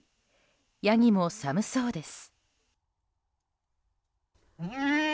ヤギも寒そうです。